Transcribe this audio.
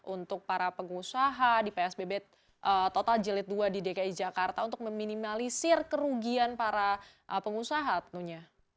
untuk para pengusaha di psbb total jilid dua di dki jakarta untuk meminimalisir kerugian para pengusaha tentunya